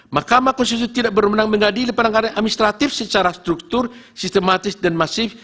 mahkamah konstitusi tidak berwenang mengadili penanganan administratif secara struktur sistematis dan masif